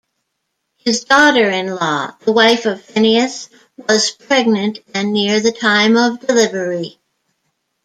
His daughter-in-law, the wife of Phinehas, was pregnant and near the time of delivery.